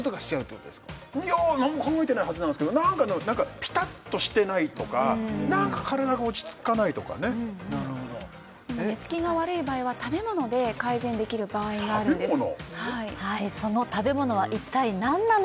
いやあ何も考えてないはずなんですけど何かピタッとしてないとか何か体が落ち着かないとかね寝つきが悪い場合は食べ物で改善できる場合があるんです